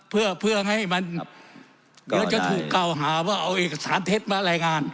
เพื่อให้มันก็จะถูกก้าวหาว่าเอาเอกสารเท็จมาแรงงาน